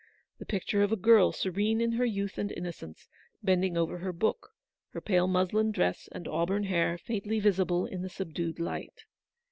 The picture of a girl, serene in her youth and innocence, bending over her book : her pale muslin dress and auburn hair faintly visible in the subdued light.